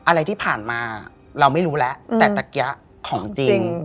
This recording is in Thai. อะไรที่ผ่านมาเราไม่รู้แล้วแต่ตะเกี๊ยะของจริง